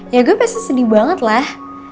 ya gue pasti sedih banget lah